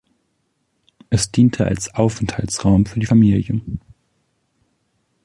Es diente als Aufenthaltsraum für die Familie.